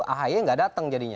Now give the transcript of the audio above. ahy gak datang jadinya